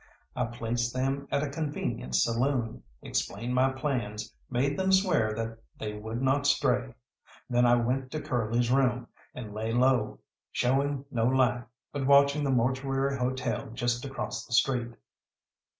I placed them at a convenient saloon, explained my plans, made them swear that they would not stray. Then I went to Curly's room, and lay low, showing no light, but watching the Mortuary Hotel just across the street.